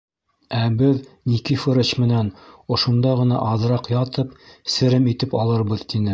Ә беҙ Никифорыч менән ошонда ғына аҙыраҡ ятып, серем итеп алырбыҙ, — тине.